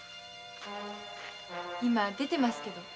今出てますけど。